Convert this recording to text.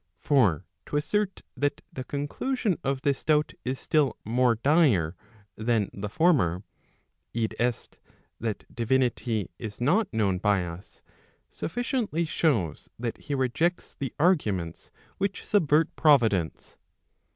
For to assert that the conclusion of this doubt is still more dire than the former [i. e. that divinity is not known by us] sufficiently shows that he rejects the arguments which sub¬ vert providence.